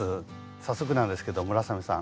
早速なんですけど村雨さん